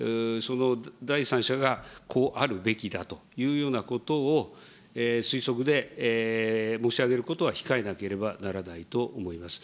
第三者がこうあるべきだというようなことを推測で申し上げることは控えなければならないと思います。